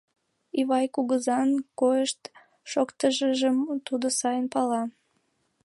Ивай кугызан койыш-шоктышыжым тудо сайын пала.